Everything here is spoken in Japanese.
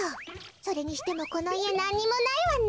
それにしてもこのいえなんにもないわね。